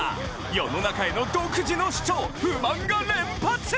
世の中への独自の主張・不満が連発！